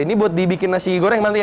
ini buat dibikin nasi goreng ya mbak ya